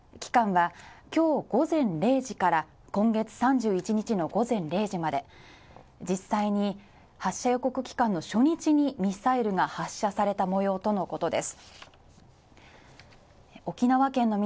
期間は今日午前０時から今月３１日の午前０時まで実際に発射予告期間の初日にミサイルが発射されたもようとのことです。